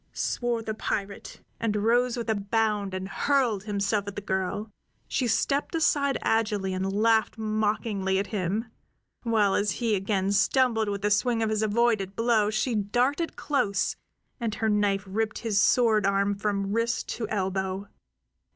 swore the pirate, and rose with a bound and hurled himself at the girl. She stepped aside agilely and laughed mockingly at him, while as he again stumbled with the swing of his avoided blow she darted close, and her knife ripped his sword arm from wrist to elbow.